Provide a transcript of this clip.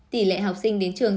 tỷ lệ học sinh đến trường